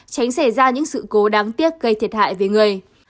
tránh xảy ra những sự cố đáng tiếc gây thiệt hại về người